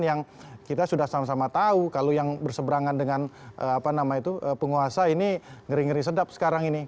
yang kita sudah sama sama tahu kalau yang berseberangan dengan penguasa ini ngeri ngeri sedap sekarang ini